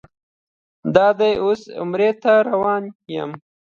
دادی اوس عمرې ته روان یم.